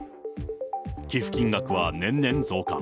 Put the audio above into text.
寄付金額は年々増加。